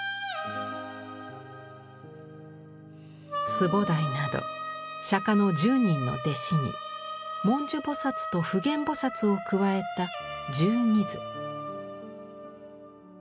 須菩提など釈の１０人の弟子に文殊菩と普賢菩を加えた１２図。